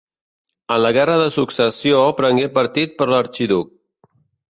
En la Guerra de Successió prengué partit per l'arxiduc.